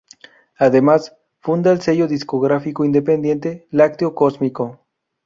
Además, funda el sello discográfico independiente Lácteo Cósmico.